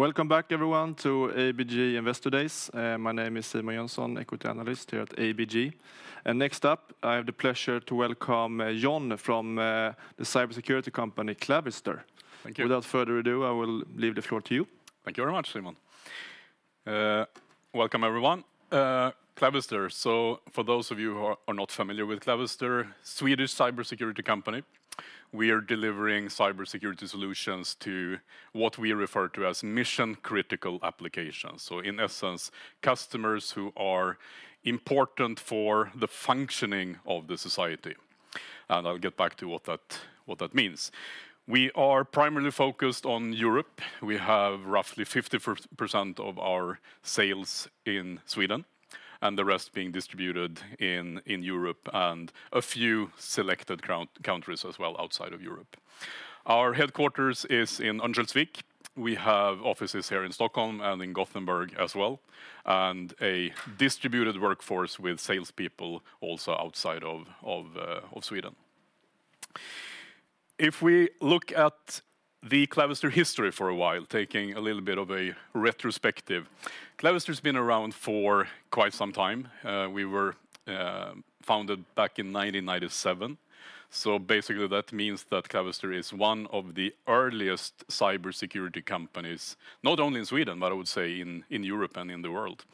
Welcome back everyone to ABG Investor Days. My name is Simon Jönsson, equity analyst here at ABG. Next up, I have the pleasure to welcome John from the cybersecurity company, Clavister. Thank you. Without further ado, I will leave the floor to you. Thank you very much, Simon. Welcome everyone. Clavister, so for those of you who are not familiar with Clavister, Swedish cybersecurity company. We are delivering cybersecurity solutions to what we refer to as mission-critical applications. So in essence, customers who are important for the functioning of the society, and I'll get back to what that means. We are primarily focused on Europe. We have roughly 50% of our sales in Sweden, and the rest being distributed in Europe and a few selected countries as well outside of Europe. Our headquarters is in Örnsköldsvik. We have offices here in Stockholm and in Gothenburg as well, and a distributed workforce with salespeople also outside of Sweden. If we look at the Clavister history for a while, taking a little bit of a retrospective, Clavister's been around for quite some time. We were founded back in 1997. So basically, that means that Clavister is one of the earliest cybersecurity companies, not only in Sweden, but I would say in Europe and in the world.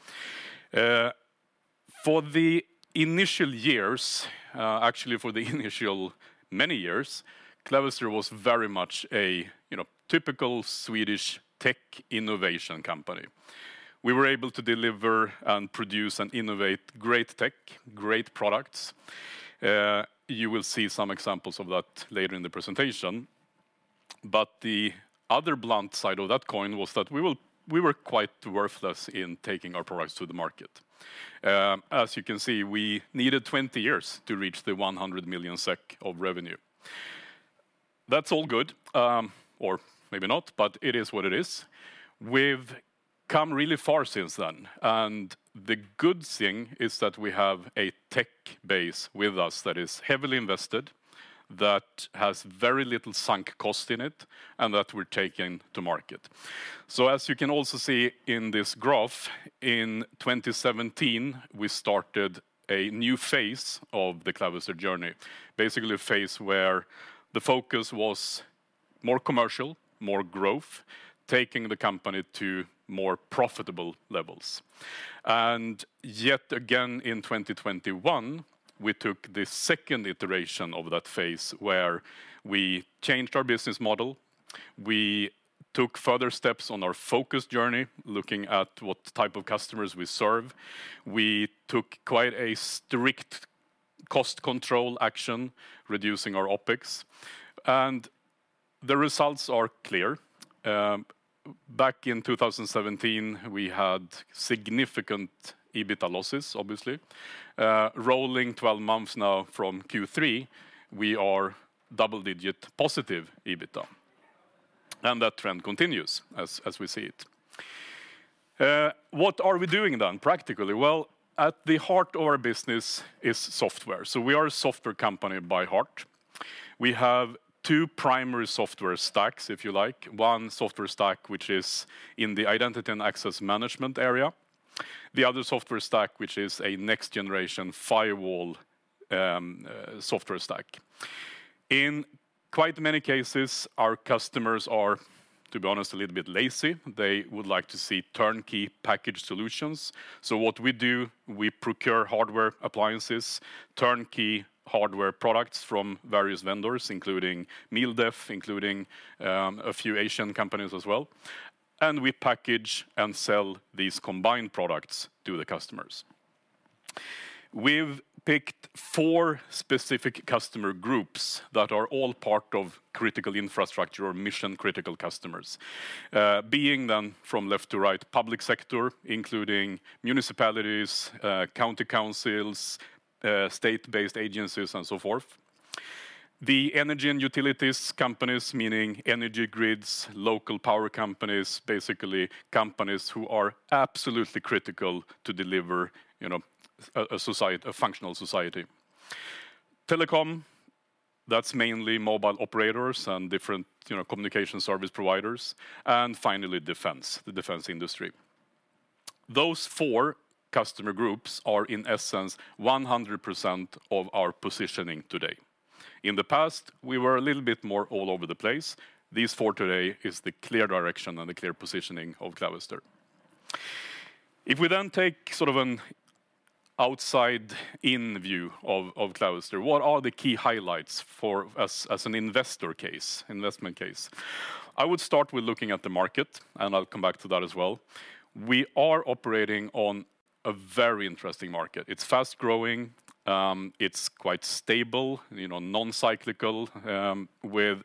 For the initial years, actually, for the initial many years, Clavister was very much a, you know, typical Swedish tech innovation company. We were able to deliver and produce and innovate great tech, great products. You will see some examples of that later in the presentation. But the other blunt side of that coin was that we were quite worthless in taking our products to the market. As you can see, we needed 20 years to reach 100 million SEK of revenue. That's all good, or maybe not, but it is what it is. We've come really far since then, and the good thing is that we have a tech base with us that is heavily invested, that has very little sunk cost in it, and that we're taking to market. So as you can also see in this graph, in 2017, we started a new phase of the Clavister journey. Basically, a phase where the focus was more commercial, more growth, taking the company to more profitable levels. And yet again, in 2021, we took the second iteration of that phase, where we changed our business model. We took further steps on our focus journey, looking at what type of customers we serve. We took quite a strict cost control action, reducing our OpEx, and the results are clear. Back in 2017, we had significant EBITDA losses, obviously. Rolling 12 months now from Q3, we are double-digit positive EBITDA, and that trend continues as we see it. What are we doing then, practically? Well, at the heart of our business is software, so we are a software company by heart. We have two primary software stacks, if you like. One software stack, which is in the identity and access management area. The other software stack, which is a next-generation firewall software stack. In quite many cases, our customers are, to be honest, a little bit lazy. They would like to see turnkey package solutions. So what we do, we procure hardware appliances, turnkey hardware products from various vendors, including MilDef, including a few Asian companies as well, and we package and sell these combined products to the customers. We've picked four specific customer groups that are all part of critical infrastructure or mission-critical customers. Being then from left to right, public sector, including municipalities, county councils, state-based agencies, and so forth. The energy and utilities companies, meaning energy grids, local power companies, basically companies who are absolutely critical to deliver, you know, a functional society. Telecom, that's mainly mobile operators and different, you know, communication service providers, and finally, defense, the defense industry. Those four customer groups are, in essence, 100% of our positioning today. In the past, we were a little bit more all over the place. These four today is the clear direction and the clear positioning of Clavister. If we then take sort of an outside-in view of Clavister, what are the key highlights for... As an investor case, investment case? I would start with looking at the market, and I'll come back to that as well. We are operating on a very interesting market. It's fast-growing, it's quite stable, you know, non-cyclical, with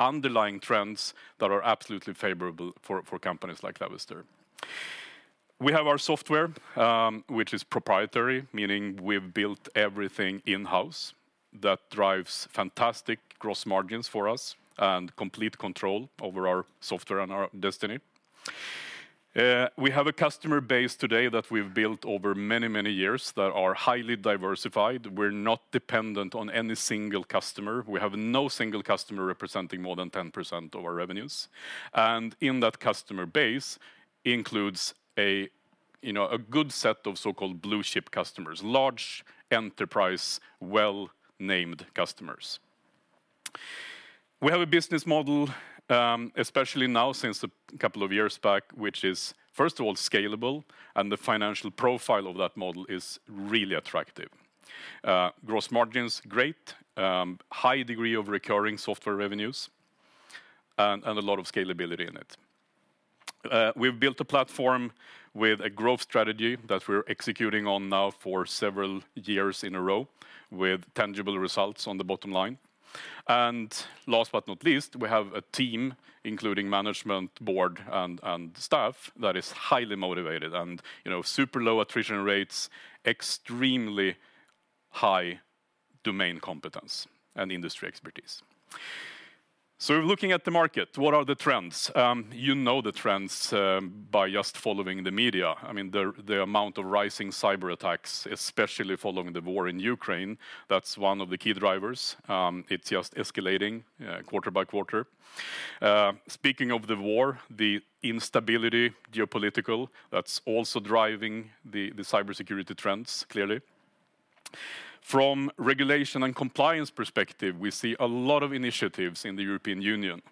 underlying trends that are absolutely favorable for, for companies like Clavister. We have our software, which is proprietary, meaning we've built everything in-house that drives fantastic gross margins for us and complete control over our software and our destiny. We have a customer base today that we've built over many, many years that are highly diversified. We're not dependent on any single customer. We have no single customer representing more than 10% of our revenues, and in that customer base includes a, you know, a good set of so-called blue-chip customers, large enterprise, well-named customers. We have a business model, especially now since a couple of years back, which is, first of all, scalable, and the financial profile of that model is really attractive. Gross margins, great. High degree of recurring software revenues and a lot of scalability in it. We've built a platform with a growth strategy that we're executing on now for several years in a row, with tangible results on the bottom line. And last but not least, we have a team, including management, board, and staff, that is highly motivated and, you know, super low attrition rates, extremely high domain competence and industry expertise. So looking at the market, what are the trends? You know the trends, by just following the media. I mean, the amount of rising cyber attacks, especially following the war in Ukraine, that's one of the key drivers. It's just escalating quarter-by-quarter. Speaking of the war, the instability, geopolitical, that's also driving the cybersecurity trends, clearly. From regulation and compliance perspective, we see a lot of initiatives in the European Union.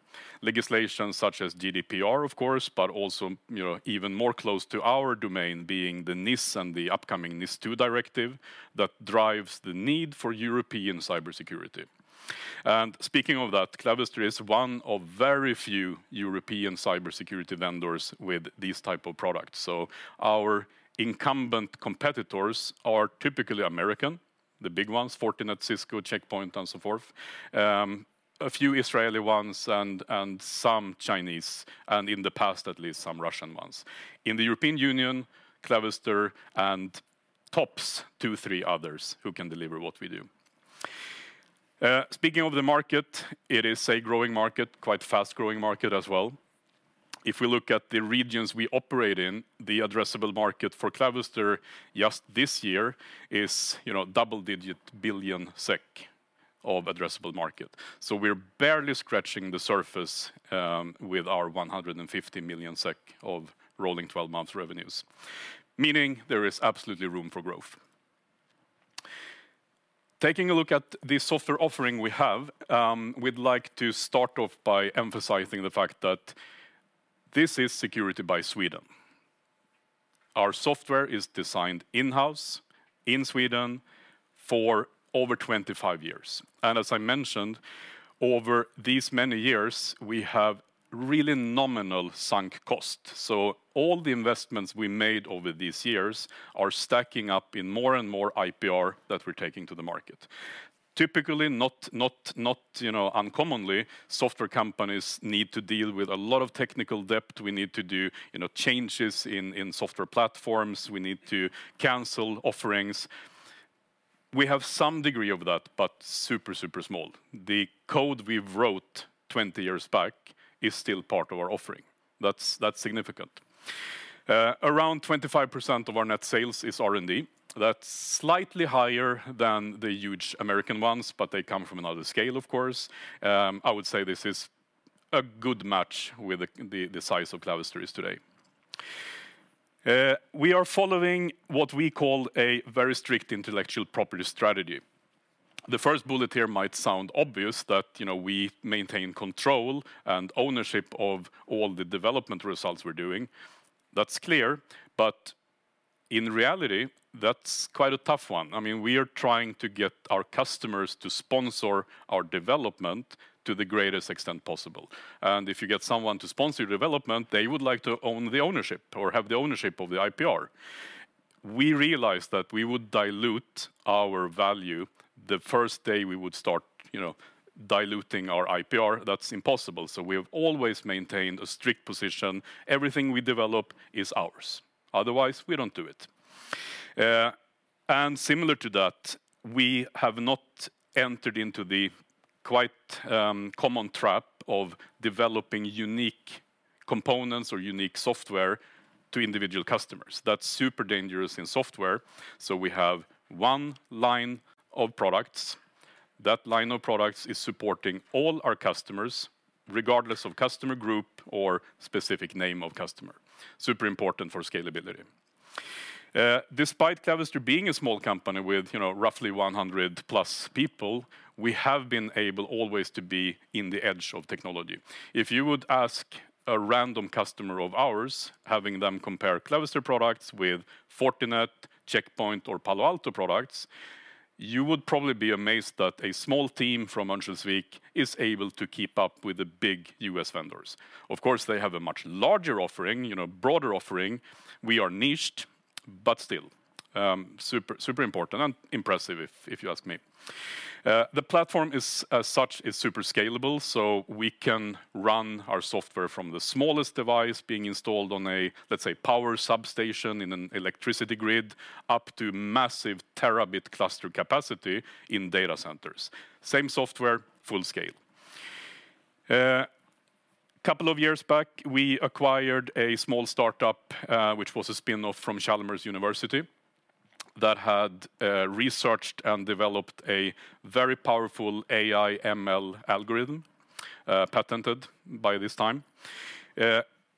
Legislations such as GDPR, of course, but also, you know, even more close to our domain being the NIS and the upcoming NIS2 Directive that drives the need for European cybersecurity. Speaking of that, Clavister is one of very few European cybersecurity vendors with these type of products. Our incumbent competitors are typically American, the big ones, Fortinet, Cisco, Check Point, and so forth. A few Israeli ones and some Chinese, and in the past, at least some Russian ones. In the European Union, Clavister and tops two, three others who can deliver what we do. Speaking of the market, it is a growing market, quite fast-growing market as well. If we look at the regions we operate in, the addressable market for Clavister just this year is, you know, double-digit billion SEK of addressable market. So we're barely scratching the surface with our 150 million SEK of rolling 12-month revenues, meaning there is absolutely room for growth. Taking a look at the software offering we have, we'd like to start off by emphasizing the fact that this is security by Sweden. Our software is designed in-house, in Sweden, for over 25 years. And as I mentioned, over these many years, we have really nominal sunk cost. So all the investments we made over these years are stacking up in more and more IPR that we're taking to the market. Typically, you know, uncommonly, software companies need to deal with a lot of technical depth. We need to do, you know, changes in software platforms. We need to cancel offerings. We have some degree of that, but super, super small. The code we wrote 20 years back is still part of our offering. That's significant. Around 25% of our net sales is R&D. That's slightly higher than the huge American ones, but they come from another scale, of course. I would say this is a good match with the size of Clavister today. We are following what we call a very strict intellectual property strategy. The first bullet here might sound obvious that, you know, we maintain control and ownership of all the development results we're doing. That's clear, but in reality, that's quite a tough one. I mean, we are trying to get our customers to sponsor our development to the greatest extent possible. And if you get someone to sponsor your development, they would like to own the ownership or have the ownership of the IPR. We realized that we would dilute our value the first day we would start, you know, diluting our IPR. That's impossible, so we have always maintained a strict position. Everything we develop is ours. Otherwise, we don't do it. And similar to that, we have not entered into the quite common trap of developing unique components or unique software to individual customers. That's super dangerous in software, so we have one line of products. That line of products is supporting all our customers, regardless of customer group or specific name of customer. Super important for scalability. Despite Clavister being a small company with, you know, roughly 100+ people, we have been able always to be in the edge of technology. If you would ask a random customer of ours, having them compare Clavister products with Fortinet, Check Point, or Palo Alto products, you would probably be amazed that a small team from Örnsköldsvik is able to keep up with the big U.S. vendors. Of course, they have a much larger offering, you know, broader offering. We are niched, but still, super, super important and impressive if you ask me. The platform is, as such, super scalable, so we can run our software from the smallest device being installed on a, let's say, power substation in an electricity grid, up to massive terabit cluster capacity in data centers. Same software, full scale. Couple of years back, we acquired a small startup, which was a spin-off from Chalmers University, that had researched and developed a very powerful AI ML algorithm, patented by this time.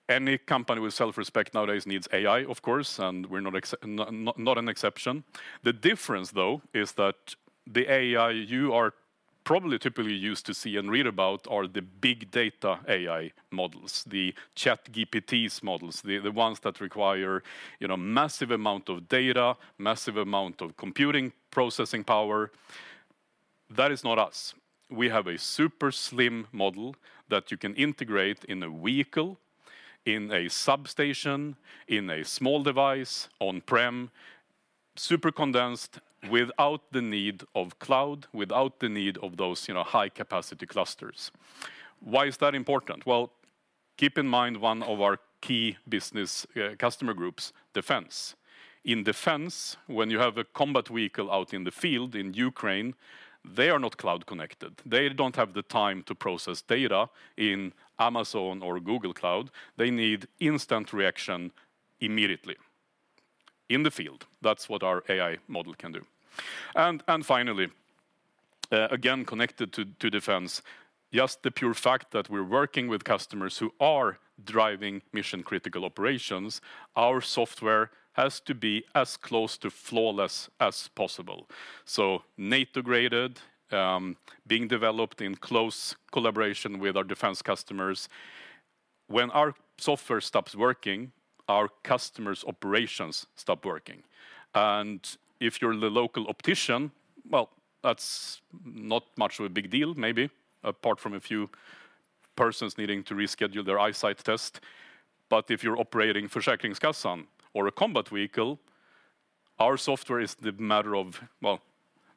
Any company with self-respect nowadays needs AI, of course, and we're not an exception. The difference, though, is that the AI you are probably typically used to see and read about are the big data AI models, the ChatGPT's models, the ones that require, you know, massive amount of data, massive amount of computing processing power. That is not us. We have a super slim model that you can integrate in a vehicle, in a substation, in a small device, on-prem, super condensed, without the need of cloud, without the need of those, you know, high-capacity clusters. Why is that important? Well, keep in mind one of our key business, customer groups, defense. In defense, when you have a combat vehicle out in the field in Ukraine, they are not cloud-connected. They don't have the time to process data in Amazon or Google Cloud. They need instant reaction immediately in the field. That's what our AI model can do. And, and finally, again, connected to, to defense, just the pure fact that we're working with customers who are driving mission-critical operations, our software has to be as close to flawless as possible. So NATO-graded, being developed in close collaboration with our defense customers. When our software stops working, our customers' operations stop working, and if you're the local optician, well, that's not much of a big deal, maybe, apart from a few persons needing to reschedule their eyesight test. If you're operating Försäkringskassan or a combat vehicle, our software is the matter of, well,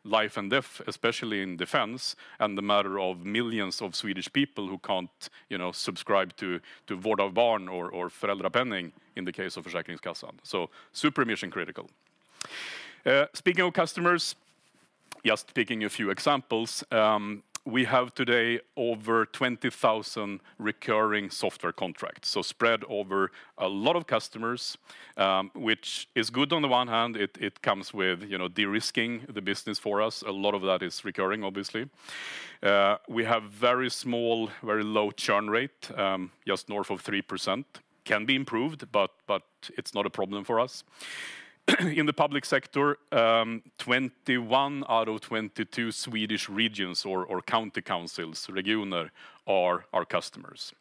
life and death, especially in defense, and the matter of millions of Swedish people who can't, you know, subscribe to Vård av barn or Föräldrapenning in the case of Försäkringskassan, so super mission-critical. Speaking of customers, just picking a few examples, we have today over 20,000 recurring software contracts, so spread over a lot of customers, which is good on the one hand, it comes with, you know, de-risking the business for us. A lot of that is recurring, obviously. We have very small, very low churn rate, just north of 3%. Can be improved, but it's not a problem for us. In the public sector, 21 out of 22 Swedish regions or county councils, regioneR, are our customers.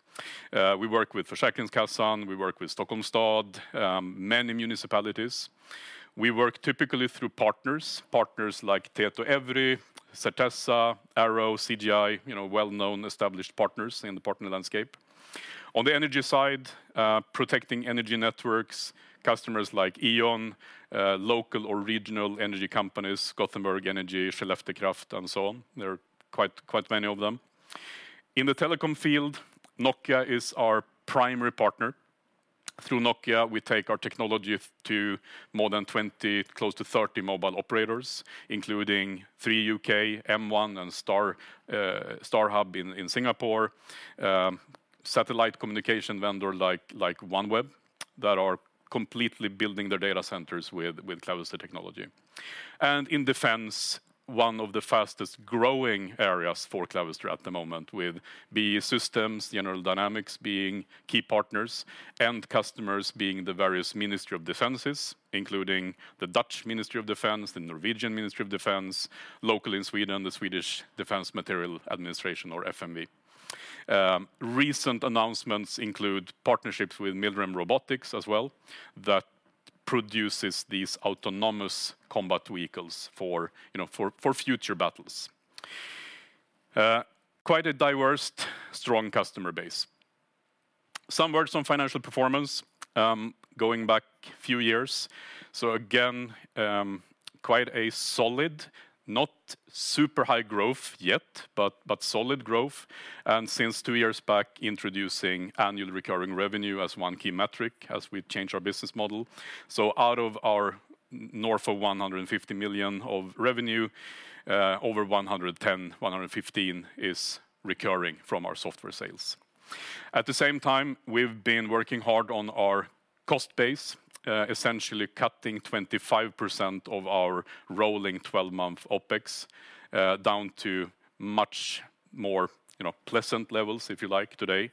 We work with Försäkringskassan, we work with Stockholm Stad, many municipalities. We work typically through partners, partners like Tietoevry, Certessa, Arrow, CGI, you know, well-known, established partners in the partner landscape. On the energy side, protecting energy networks, customers like E.ON, local or regional energy companies, Gothenburg Energy, Skellefteå Kraft, and so on. There are quite, quite many of them. In the telecom field, Nokia is our primary partner. Through Nokia, we take our technology to more than 20, close to 30 mobile operators, including Three U.K., M1, and StarHub in Singapore, satellite communication vendor like OneWeb, that are completely building their data centers with Clavister technology. And in defense, one of the fastest-growing areas for Clavister at the moment, with BAE Systems, General Dynamics being key partners and customers being the various ministry of defenses, including the Dutch Ministry of Defense, the Norwegian Ministry of Defense, locally in Sweden, the Swedish Defence Materiel Administration, or FMV. Recent announcements include partnerships with Milrem Robotics as well, that produces these autonomous combat vehicles for, you know, for future battles. Quite a diverse, strong customer base. Some words on financial performance, going back few years. So again, quite a solid, not super high growth yet, but, but solid growth, and since two years back, introducing annual recurring revenue as one key metric as we change our business model. So out of our north of 150 million of revenue, over 110-115 is recurring from our software sales. At the same time, we've been working hard on our cost base, essentially cutting 25% of our rolling 12-month OpEx down to much more, you know, pleasant levels, if you like, today.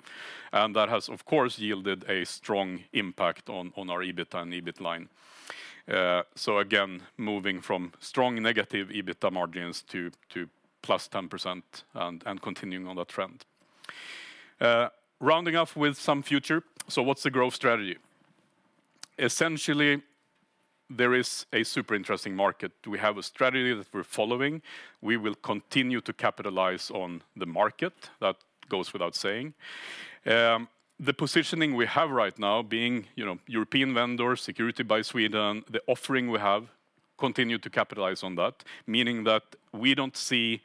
And that has, of course, yielded a strong impact on our EBITDA and EBIT line. So again, moving from strong negative EBITDA margins to +10% and continuing on that trend. Rounding off with some future. So what's the growth strategy? Essentially, there is a super interesting market. We have a strategy that we're following. We will continue to capitalize on the market, that goes without saying. The positioning we have right now, being, you know, European vendor, security by Sweden, the offering we have, continue to capitalize on that, meaning that we don't see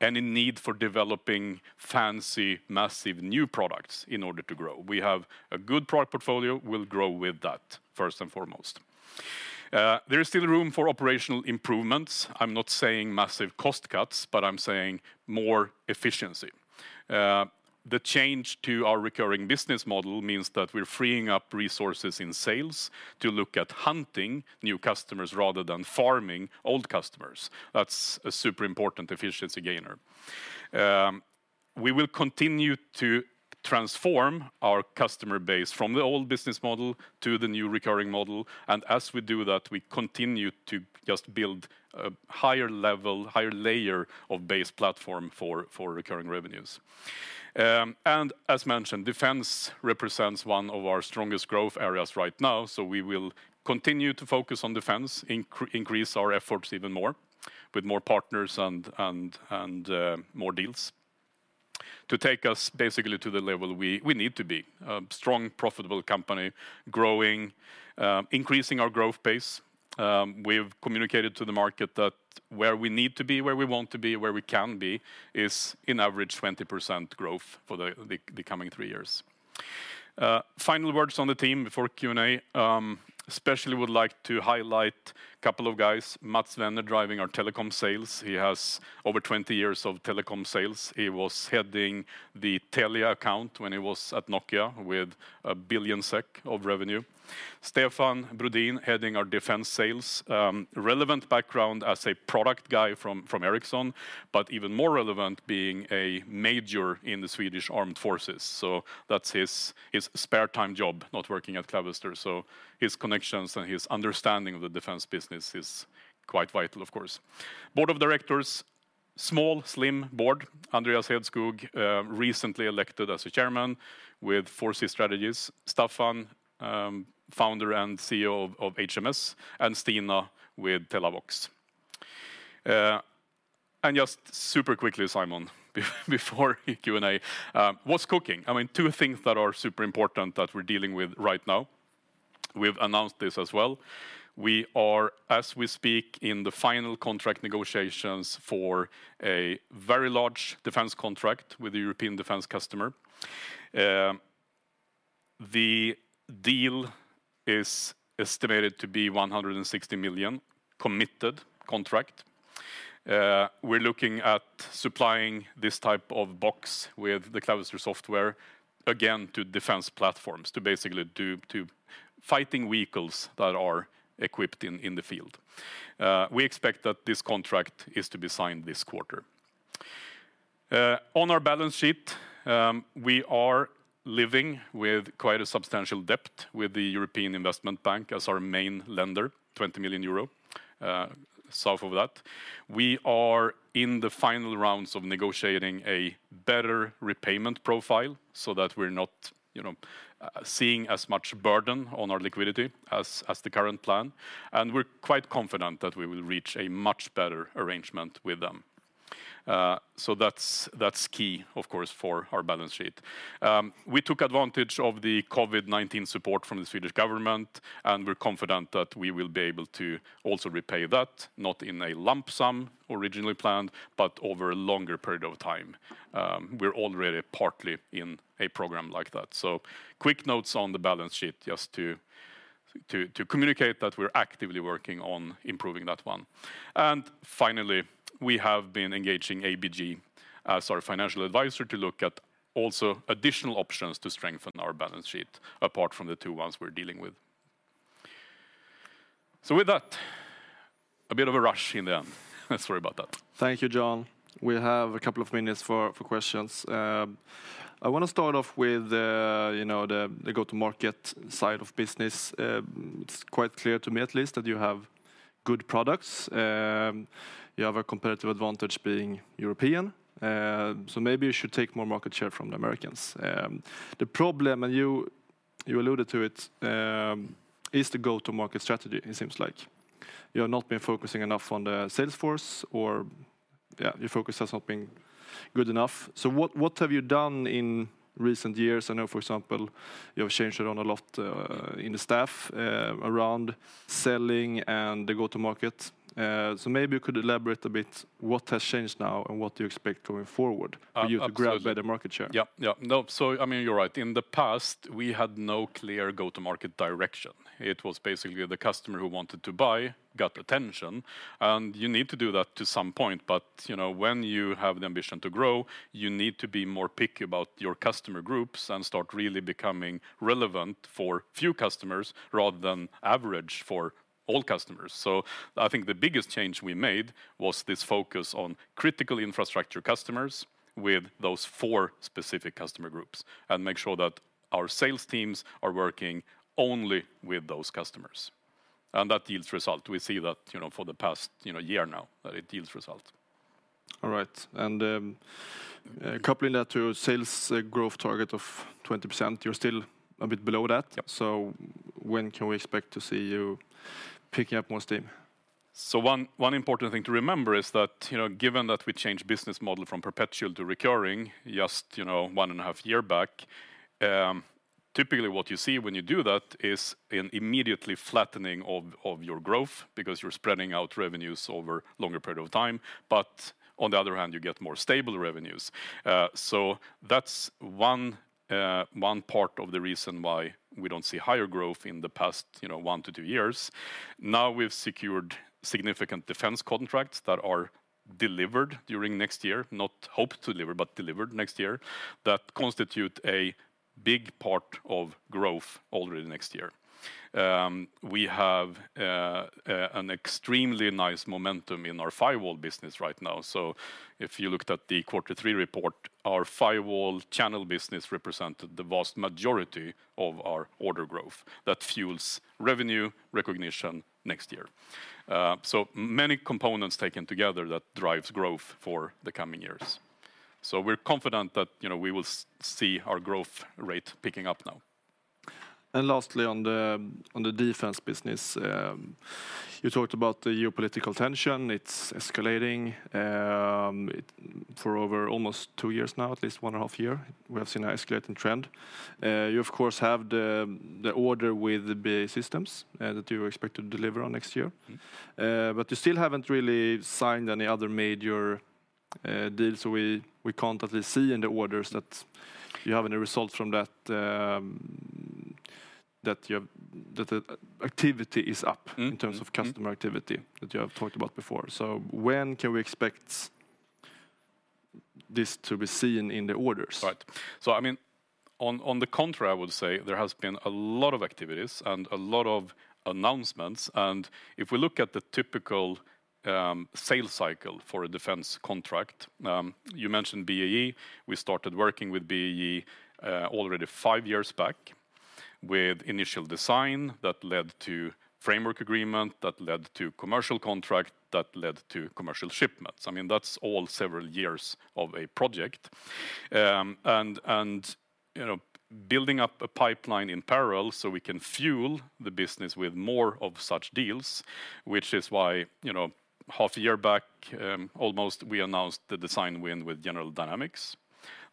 any need for developing fancy, massive new products in order to grow. We have a good product portfolio. We'll grow with that, first and foremost. There is still room for operational improvements. I'm not saying massive cost cuts, but I'm saying more efficiency. The change to our recurring business model means that we're freeing up resources in sales to look at hunting new customers rather than farming old customers. That's a super important efficiency gainer. We will continue to transform our customer base from the old business model to the new recurring model, and as we do that, we continue to just build a higher level, higher layer of base platform for, for recurring revenues. As mentioned, defense represents one of our strongest growth areas right now, so we will continue to focus on defense, increase our efforts even more with more partners and more deals to take us basically to the level we need to be. Strong, profitable company, growing, increasing our growth pace. We've communicated to the market that where we need to be, where we want to be, where we can be, is in average 20% growth for the coming three years. Final words on the team before Q&A, especially would like to highlight a couple of guys. Mats Wenner, driving our telecom sales. He has over 20 years of telecom sales. He was heading the Telia account when he was at Nokia with one billion SEK of revenue. Stefan Brodin, heading our defense sales. Relevant background as a product guy from Ericsson, but even more relevant, being a major in the Swedish Armed Forces. So that's his spare time job, not working at Clavister. So his connections and his understanding of the defense business is quite vital, of course. Board of directors, small, slim board. Andreas Hedskog, recently elected as a chairman with 4C Strategies. Staffan, founder and CEO of HMS, and Stina with Telavox. And just super quickly, Simon, before Q&A, what's cooking? I mean, two things that are super important that we're dealing with right now. We've announced this as well. We are, as we speak, in the final contract negotiations for a very large defense contract with a European defense customer. The deal is estimated to be 160 million committed contract. We're looking at supplying this type of box with the Clavister software, again, to defense platforms, to basically fighting vehicles that are equipped in the field. We expect that this contract is to be signed this quarter. On our balance sheet, we are living with quite a substantial debt with the European Investment Bank as our main lender, 20 million euro, south of that. We are in the final rounds of negotiating a better repayment profile so that we're not, you know, seeing as much burden on our liquidity as the current plan, and we're quite confident that we will reach a much better arrangement with them. So that's key, of course, for our balance sheet. We took advantage of the COVID-19 support from the Swedish government, and we're confident that we will be able to also repay that, not in a lump sum originally planned, but over a longer period of time. We're already partly in a program like that. So quick notes on the balance sheet, just to communicate that we're actively working on improving that one. And finally, we have been engaging ABG as our financial advisor to look at also additional options to strengthen our balance sheet, apart from the two ones we're dealing with. So with that, a bit of a rush in the end. Sorry about that. Thank you, John. We have a couple of minutes for questions. I wanna start off with you know the go-to-market side of business. It's quite clear to me at least, that you have good products. You have a competitive advantage being European, so maybe you should take more market share from the Americans. The problem, and you alluded to it, is the go-to-market strategy, it seems like. You have not been focusing enough on the sales force or... Yeah, your focus has not been good enough. So what have you done in recent years? I know, for example, you have changed around a lot in the staff around selling and the go-to-market. So maybe you could elaborate a bit, what has changed now, and what do you expect going forward? Uh, absolutely... for you to grab better market share? Yeah, yeah. No, so I mean, you're right. In the past, we had no clear go-to-market direction. It was basically the customer who wanted to buy got attention, and you need to do that to some point. But, you know, when you have the ambition to grow, you need to be more picky about your customer groups and start really becoming relevant for few customers rather than average for all customers. So I think the biggest change we made was this focus on critical infrastructure customers with those four specific customer groups, and make sure that our sales teams are working only with those customers. And that yields result. We see that, you know, for the past, you know, year now, that it yields result. All right. And, coupling that to sales growth target of 20%, you're still a bit below that. Yep. When can we expect to see you picking up more steam? So one important thing to remember is that, you know, given that we changed business model from perpetual to recurring, just, you know, 1.5 years back, typically, what you see when you do that is an immediately flattening of your growth because you're spreading out revenues over longer period of time, but on the other hand, you get more stable revenues. So that's one part of the reason why we don't see higher growth in the past, you know, one-two years. Now, we've secured significant defense contracts that are delivered during next year, not hope to deliver, but delivered next year, that constitute a big part of growth already next year. We have an extremely nice momentum in our firewall business right now. So if you looked at the quarter three report, our firewall channel business represented the vast majority of our order growth that fuels revenue recognition next year. So many components taken together that drives growth for the coming years. So we're confident that, you know, we will see our growth rate picking up now. Lastly, on the defense business, you talked about the geopolitical tension. It's escalating, for over almost two years now, at least 1.5 year, we have seen an escalating trend. You, of course, have the order with the BAE Systems that you expect to deliver on next year. Mm. But you still haven't really signed any other major deals. So we can't really see in the orders that you have any results from that, that the activity is up- Mm-hmm... in terms of customer activity- Mm... that you have talked about before. When can we expect this to be seen in the orders? Right. So, I mean, on the contrary, I would say there has been a lot of activities and a lot of announcements, and if we look at the typical sales cycle for a defense contract, you mentioned BAE. We started working with BAE already 5 years back, with initial design that led to framework agreement, that led to commercial contract, that led to commercial shipments. I mean, that's all several years of a project. And you know, building up a pipeline in parallel so we can fuel the business with more of such deals, which is why, you know, half a year back, almost, we announced the design win with General Dynamics.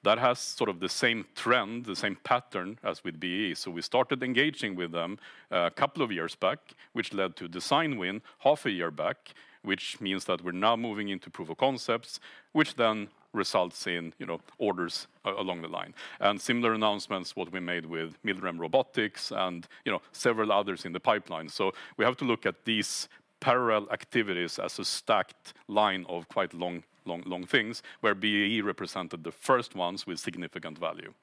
That has sort of the same trend, the same pattern as with BAE. So we started engaging with them a couple of years back, which led to design win half a year back, which means that we're now moving into proof of concepts, which then results in, you know, orders along the line. And similar announcements what we made with Milrem Robotics and, you know, several others in the pipeline. So we have to look at these parallel activities as a stacked line of quite long, long, long things, where BAE represented the first ones with significant value.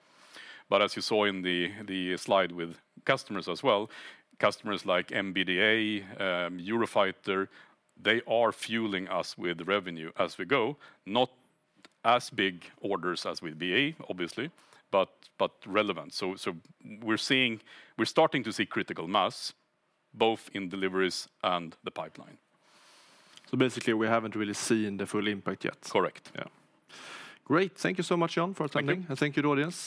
But as you saw in the slide with customers as well, customers like MBDA, Eurofighter, they are fueling us with revenue as we go. Not as big orders as with BAE, obviously, but relevant. So we're seeing... we're starting to see critical mass, both in deliveries and the pipeline. Basically, we haven't really seen the full impact yet? Correct. Yeah. Great. Thank you so much, John, for attending. Thank you. Thank you, audience.